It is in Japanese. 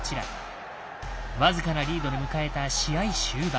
僅かなリードで迎えた試合終盤。